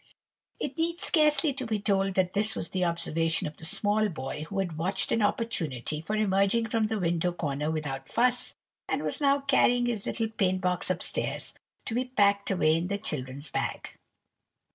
It needs scarcely to be told that this was the observation of the small boy who had watched an opportunity for emerging from the window corner without fuss, and was now carrying his little paint box up stairs to be packed away in the children's bag.